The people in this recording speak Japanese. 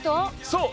そう。